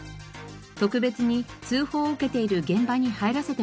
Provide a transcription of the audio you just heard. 特別に通報を受けている現場に入らせてもらいました。